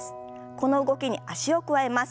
この動きに脚を加えます。